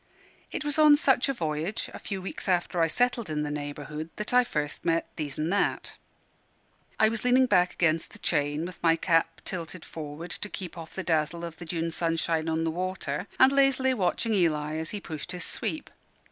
It was on such a voyage, a few weeks after I settled in the neighbourhood, that I first met These an' That. I was leaning back against the chain, with my cap tilted forward to keep off the dazzle of the June sunshine on the water, and lazily watching Eli as he pushed his sweep.